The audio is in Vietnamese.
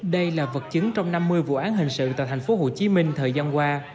đây là vật chứng trong năm mươi vụ án hình sự tại thành phố hồ chí minh thời gian qua